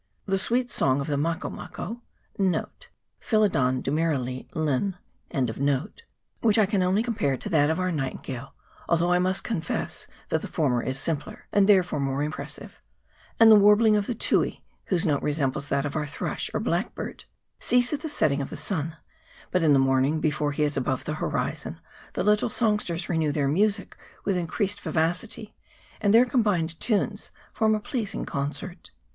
The sweet song of the mako mako, 1 which I can only 1 Philedun Dumerilii, Lin 118 WEST BAY. [PART i. compare to that of our nightingale, although I must confess that the former is simpler, and therefore more impressive, and the warbling of the tui, 1 whose note resembles that of our thrush or black bird, cease at the setting of the sun ; but in the morning, before he is above the horizon, the little songsters renew their music with increased vivacity, and their combined tunes form a pleasing concert.